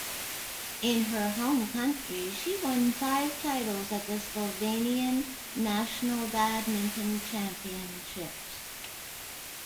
In her home country she won five titles at the Slovenian National Badminton Championships.